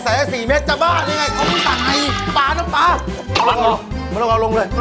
ใส่ใส่เสร็จกุ้งมาเสร็จกุ้งมาเสร็จกุ้งมาเออเสร็จกุ้งมา